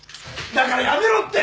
だからやめろって！